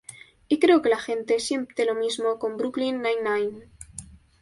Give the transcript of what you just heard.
Y creo que la gente siente lo mismo con Brooklyn Nine-Nine".